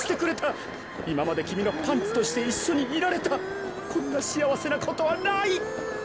いままできみのパンツとしていっしょにいられたこんなしあわせなことはない！